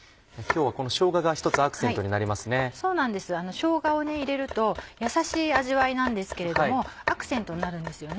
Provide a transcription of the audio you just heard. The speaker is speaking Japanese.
しょうがを入れるとやさしい味わいなんですけれどもアクセントになるんですよね。